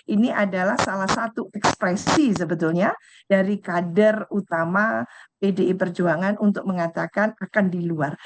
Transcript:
ini adalah salah satu ekspresi sebetulnya dari kader utama pdi perjuangan untuk mengatakan akan di luar